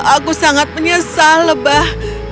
aku sangat menyesal lebah